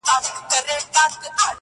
• د ښایستونو خدایه سر ټيټول تاته نه وه.